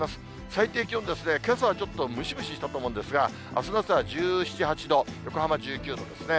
最低気温ですね、けさはちょっとムシムシしたと思うんですが、あすの朝は１７、８度、横浜１９度ですね。